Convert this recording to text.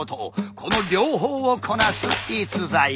この両方をこなす逸材だ。